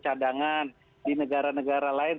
cadangan di negara negara lain